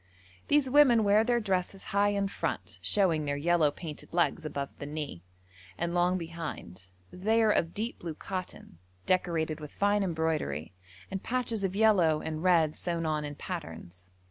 These women wear their dresses high in front (showing their yellow painted legs above the knee) and long behind; they are of deep blue cotton, decorated with fine embroidery, and patches of yellow and red sewn on in patterns.